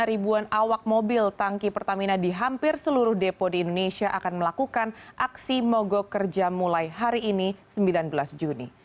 ribuan awak mobil tangki pertamina di hampir seluruh depo di indonesia akan melakukan aksi mogok kerja mulai hari ini sembilan belas juni